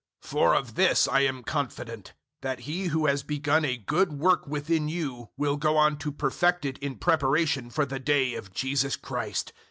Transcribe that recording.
001:006 For of this I am confident, that He who has begun a good work within you will go on to perfect it in preparation for the day of Jesus Christ.